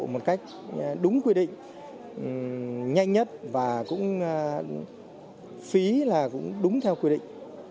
một cách đúng quy định nhanh nhất và cũng phí là cũng đúng theo quy định